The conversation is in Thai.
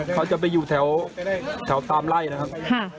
เขาจะไปอยู่แถวตามไล่นะครับ